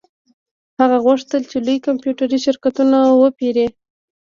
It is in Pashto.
هغه غوښتل چې لوی کمپیوټري شرکتونه وپیري